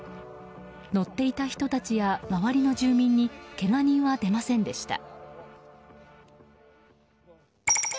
乗っていた人たちや周りの住民にけが人は出ませんでした。